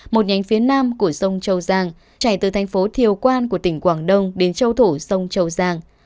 một nhánh phía nam của sông châu giang chảy từ thành phố thiều quan của tỉnh quảng đông đến châu thổ sông châu giang